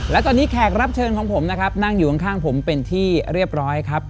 และตอนนี้แขกรับเชิญของผมนะครับนั่งอยู่ข้างผมเป็นที่เรียบร้อยครับ